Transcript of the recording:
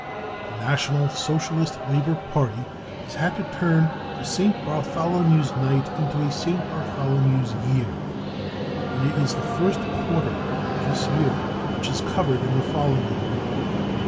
The National Socialist Labour Party has had to turn the St. Bartholomew's Night into a St. Bartholomew's year, and it is the first quarter of this year which is covered in the following report.